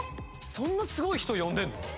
そんなスゴい人呼んでんの？